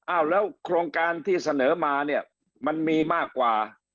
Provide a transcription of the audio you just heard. อ้าวแล้วโครงการที่เสนอมาเนี่ยมันมีมากกว่า